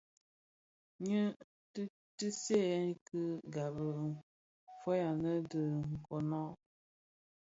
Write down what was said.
Nnë ti ghèsèè ki ghabi fœug annë dhi nkonag.